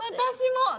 私も！